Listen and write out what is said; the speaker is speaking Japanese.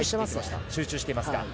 集中してますね。